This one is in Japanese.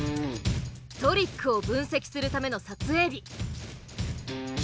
トリックを分析するための撮影日。